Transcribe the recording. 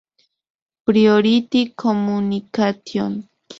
Priority Communication.